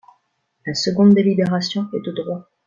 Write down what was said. La seconde délibération est de droit.